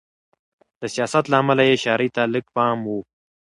د سیاست له امله یې شاعرۍ ته لږ پام و.